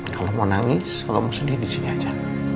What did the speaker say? kalo mau nangis kalo mau sedih disini aja